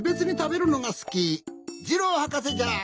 ジローはかせじゃ！